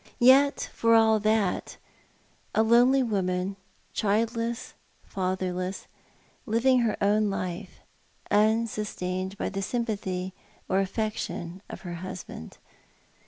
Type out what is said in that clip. Yet for all that a lonely woman,'childless, fatherless, living her own life, unsustained by the sympatliy or affection of her husband.